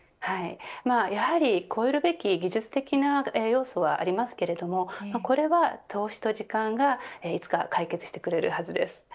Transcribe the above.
やはり超えるべき技術的な要素はありますがこれは投資と時間がいつか解決してくれるはずです。